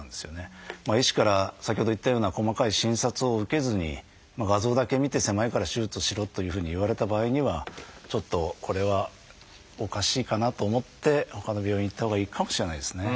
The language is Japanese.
医師から先ほど言ったような細かい診察を受けずに画像だけ見て狭いから手術をしろというふうに言われた場合にはちょっとこれはおかしいかなと思ってほかの病院へ行ったほうがいいかもしれないですね。